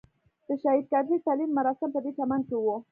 د شهید کرزي تلین مراسم په دې چمن کې وو.